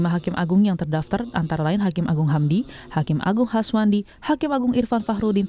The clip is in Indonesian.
lima hakim agung yang terdaftar antara lain hakim agung hamdi hakim agung haswandi hakim agung irfan fahrudin